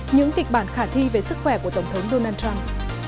những kịch bản khả thi về sức khỏe của tổng thống donald trump